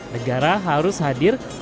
negara harus hadir untuk mendukung